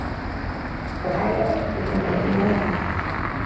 وَقَالَ بَعْضُ الْحُكَمَاءِ الْغَنِيُّ